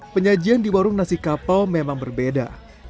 penyajian di warung nasi kapau memang berbeda